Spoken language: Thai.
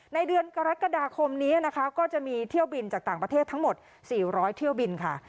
ในเดือนกรกฎาคมนี้นะคะก็จะมีเที่ยวบินจากต่างประเทศทั้งหมด๔๐๐เที่ยวบินค่ะ